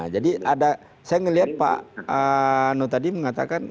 jadi ada saya melihat pak anu tadi mengatakan